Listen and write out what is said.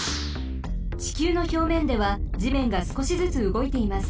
ちきゅうのひょうめんではじめんがすこしずつうごいています。